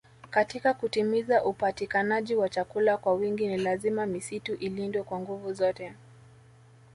Katika kutimiza upatikanaji wa chakula kwa wingi ni lazima misitu ilindwe kwa nguvu zote